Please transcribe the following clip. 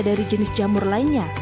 dari jenis jamur lainnya